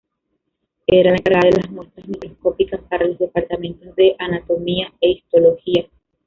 Era la encargada de las muestras microscópicas para los departamentos de anatomía e histología.